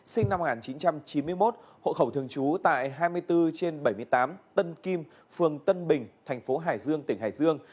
sinh năm một nghìn chín trăm chín mươi một hộ khẩu thường trú tại hai mươi bốn trên bảy mươi tám tân kim phường tân bình thành phố hải dương tỉnh hải dương